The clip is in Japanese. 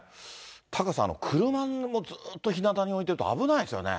タカさん、車もずっとひなたに置いてると危ないですよね。